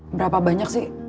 berapa banyak sih